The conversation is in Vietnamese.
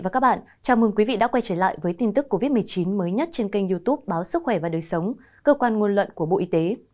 chào mừng quý vị đã quay trở lại với tin tức covid một mươi chín mới nhất trên kênh youtube báo sức khỏe và đời sống cơ quan ngôn luận của bộ y tế